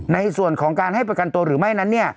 ในส่วนของการให้ประกันตัวหรือไม่นั้น